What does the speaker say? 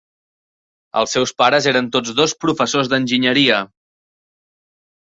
Els seus pares eren tots dos professors d'enginyeria.